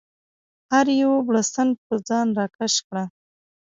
هر یو بړستن پر ځان راکش کړه.